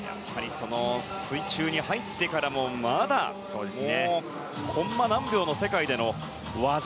水中に入ってからもまだ、コンマ何秒の世界での技。